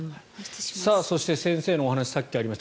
そして先生のお話さっきありました